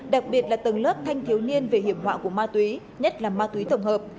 đặc biệt là tầng lớp thanh thiếu niên về hiểm họa của ma túy nhất là ma túy tổng hợp